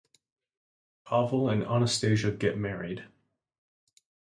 Pavel and Anastasiya get married.